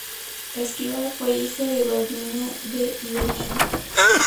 Esquiva fue hija de Balduino de Ibelín.